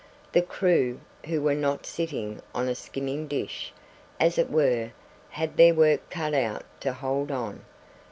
The crew, who were not sitting on a skimming dish, as it were, had their work cut out to hold on.